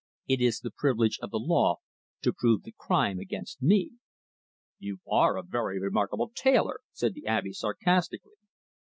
It is the privilege of the law to prove the crime against me." "You are a very remarkable tailor," said the Abbe sarcastically.